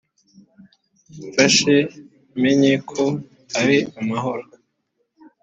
mfashe menye ko ari amahoro